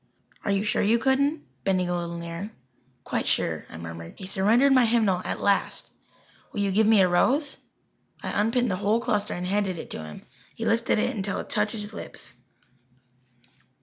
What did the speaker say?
"Are you sure you couldn't?" bending a little nearer. "Quite sure," I murmured. He surrendered my hymnal at last. "Will you give me a rose?" I unpinned the whole cluster and handed it to him. He lifted it until it touched his lips.